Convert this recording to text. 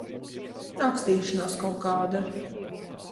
Ākstīšanās kaut kāda.